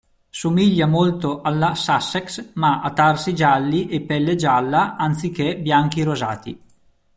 Somiglia molto alla Sussex ma ha tarsi gialli e pelle gialla anziché bianchi rosati.